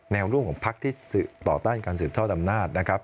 แนวร่วมของพักที่ต่อต้านการสืบทอดอำนาจนะครับ